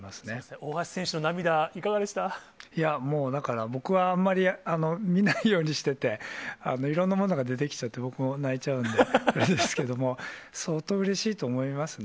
大橋選手の涙、いや、もうだから、僕はあんまり見ないようにしてて、いろんなものが出てきちゃって、僕も泣いちゃうんで、あれなんですけど、相当うれしいと思いますね。